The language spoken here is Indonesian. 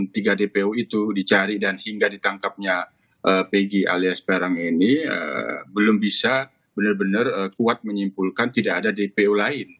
tiga dpo itu dicari dan hingga ditangkapnya pg alias perang ini belum bisa benar benar kuat menyimpulkan tidak ada dpo lain